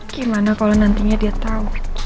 gimana kalau nantinya dia tahu